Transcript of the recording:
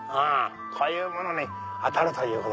こういうものに当たるということ。